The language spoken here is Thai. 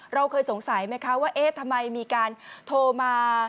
เราเคยสงสัยไหมคะว่าเอ๊ะทำไมมีการโทรมา